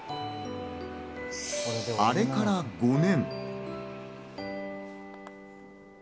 あれから５年。